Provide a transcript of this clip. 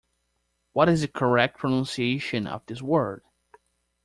What is the correct pronunciation of this word?